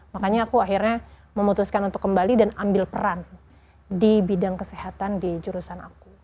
makanya aku akhirnya memutuskan untuk kembali dan ambil peran di bidang kesehatan di jurusan aku